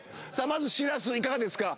まずしらすいかがですか？